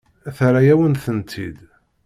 Terra-yawen-tent-id.